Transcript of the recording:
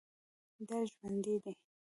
دا ژوندی دی